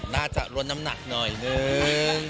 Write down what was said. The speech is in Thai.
น่าจะลดน้ำหนักหน่อยนึง